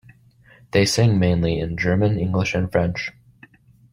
They sing mainly in German, English and French.